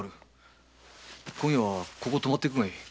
今夜はここに泊まっていくがいい。